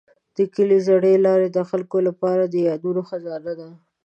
د کلي زړې لارې د خلکو لپاره د یادونو خزانه ده.